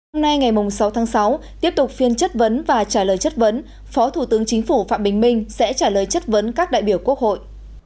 hôm nay ngày sáu tháng sáu tiếp tục phiên chất vấn và trả lời chất vấn phó thủ tướng chính phủ phạm bình minh sẽ trả lời chất vấn các đại biểu quốc hội